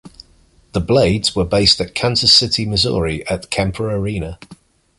The Blades were based in Kansas City, Missouri, at Kemper Arena.